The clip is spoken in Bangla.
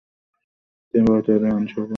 তিনি ভারতীয় আইনসভার সদস্য নির্বাচিত হন।